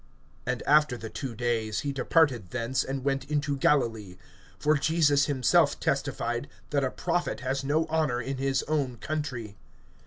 (43)And after the two days he departed thence, and went into Galilee. (44)For Jesus himself testified, that a prophet has no honor in his own country.